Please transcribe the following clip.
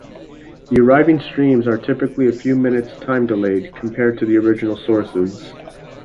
The arriving streams are typically a few minutes time-delayed compared to the original sources.